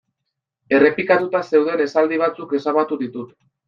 Errepikatuta zeuden esaldi batzuk ezabatu ditut.